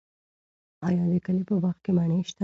آیا د کلي په باغ کې مڼې شته؟